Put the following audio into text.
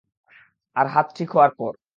আর হাত ঠিক হওয়ার পর।